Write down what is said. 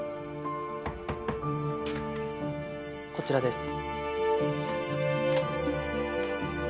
こちらです。